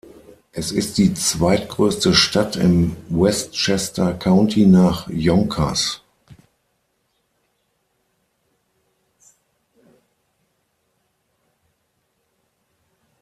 Es ist die zweitgrößte Stadt im Westchester County nach Yonkers.